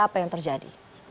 apa yang terjadi